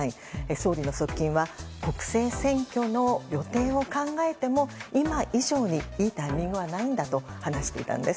総理の側近は国政選挙の予定を考えても今以上にいいタイミングはないんだと話していたんです。